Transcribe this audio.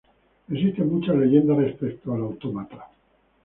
Existen muchas leyendas respecto al autómata.